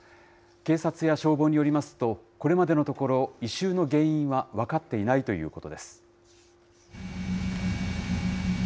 警察や消防によりますと、これまでのところ、異臭の原因は分かっていないということです。